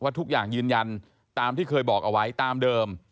ทุกอย่างยืนยันตามที่เคยบอกเอาไว้ตามเดิม